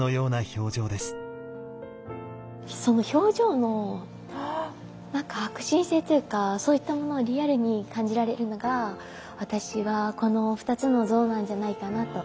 表情の何か迫真性っていうかそういったものをリアルに感じられるのが私はこの２つの像なんじゃないかなと。